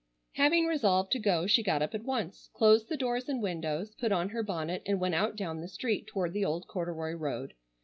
Having resolved to go she got up at once, closed the doors and windows, put on her bonnet and went out down the street toward the old corduroy road.